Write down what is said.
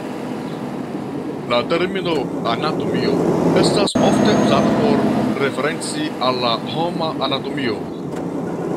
La termino "anatomio" estas ofte uzata por referenci al la homa anatomio.